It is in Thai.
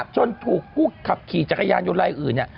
จนถูกผู้ขับขี่จักรยานยนต์ลายอื่น